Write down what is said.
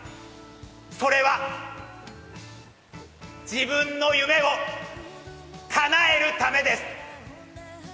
それは自分の夢をかなえるためです。